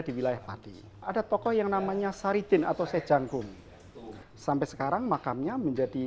di wilayah padi ada tokoh yang namanya saridin atau sejangkum sampai sekarang makamnya menjadi